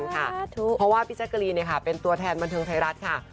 เพราะว่าพี่แจ๊การีเนี่ยค่ะเป็นตัวแทนบรรเทิงไทยรัฐค่ะ